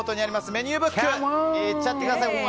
メニューブックいっちゃってください。